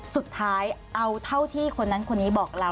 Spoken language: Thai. สุดท้ายเอาเท่าที่คนนั้นคนนี้บอกเรา